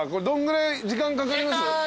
どんぐらい時間かかります？